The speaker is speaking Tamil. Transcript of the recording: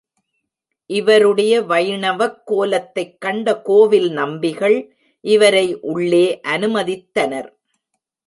இவருடைய வைணவக் கோலத்தைக் கண்ட கோவில் நம்பிகள், இவரை உள்ளே அனுமதித்தனர்.